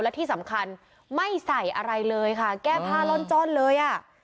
และที่สำคัญไม่ใส่อะไรเลยค่ะแก้ผ้าล่อนจ้อนเลยอ่ะ